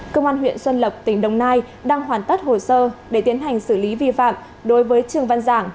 công an huyện xuân lộc tỉnh đồng nai đang hoàn tất hồ sơ để tiến hành xử lý vi phạm đối với trường văn giảng